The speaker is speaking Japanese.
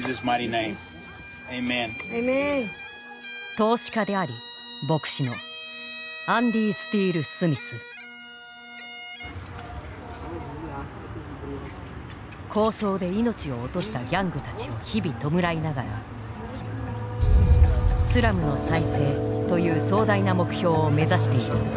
投資家であり牧師の抗争で命を落としたギャングたちを日々弔いながらスラムの再生という壮大な目標を目指している。